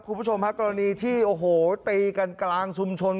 คุณผู้ชมฮะกรณีที่โอ้โหตีกันกลางชุมชน